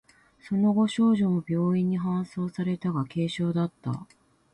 その後、少女も病院に搬送されたが、軽傷だった。